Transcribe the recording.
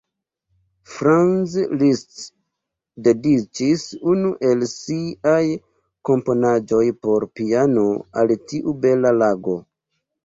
Franz Liszt dediĉis unu el siaj komponaĵoj por piano al tiu bela lago.